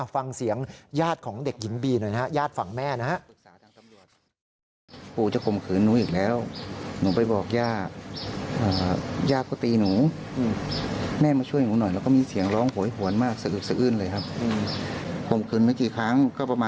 ฟังเสียงญาติของเด็กหญิงบีหน่อยนะฮะญาติฝั่งแม่นะฮะ